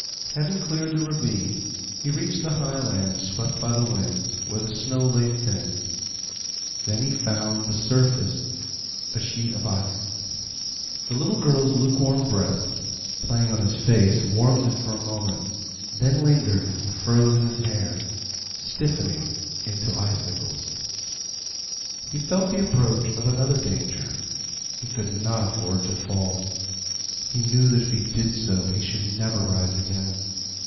Having cleared the ravine, he reached the high lands swept by the winds, where the snow lay thin. Then he found the surface a sheet of ice. The little girl's lukewarm breath, playing on his face, warmed it for a moment, then lingered, and froze in his hair, stiffening it into icicles. He felt the approach of another danger. He could not afford to fall. He knew that if he did so he should never rise again.